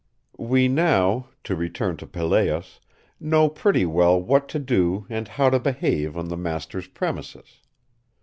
We now, to return to Pelléas, know pretty well what to do and how to behave on the master's premises.